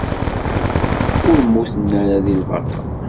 Ur mmuten ara deg lbaṭel.